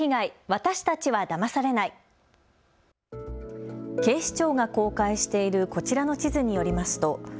私たちはだまされない警視庁が公開しているこちらの地図によりますと。